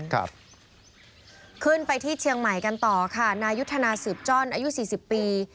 ขึ้นไปที่เชียงใหม่กันต่อค่ะนายุทธนาสืบจ้อนอายุสี่สิบปี